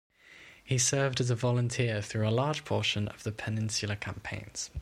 He served as a volunteer through a large portion of the Peninsular campaigns.